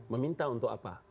meminta untuk apa